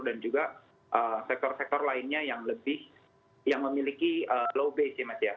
dan juga sektor sektor lainnya yang lebih yang memiliki low base ya mas ya